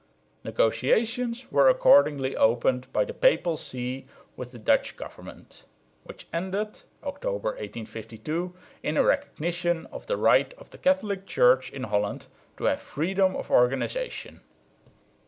Negotiations were accordingly opened by the papal see with the Dutch government, which ended (October, 1852) in a recognition of the right of the Catholic Church in Holland to have freedom of organisation.